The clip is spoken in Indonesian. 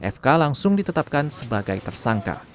fk langsung ditetapkan sebagai tersangka